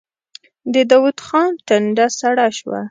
د داوود خان ټنډه سړه شوه.